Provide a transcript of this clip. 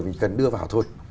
mình cần đưa vào thôi